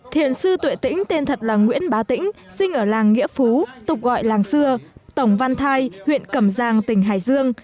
thiền sư tuệ tĩnh tên thật là nguyễn bá tĩnh sinh ở làng nghĩa phú tục gọi làng xưa tổng văn thai huyện cẩm giang tỉnh hải dương